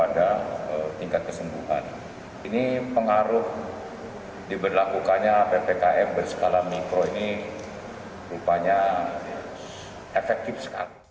diberlakukannya ppkm berskala mikro ini rupanya efektif sekali